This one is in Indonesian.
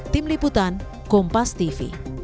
tim liputan kompas tv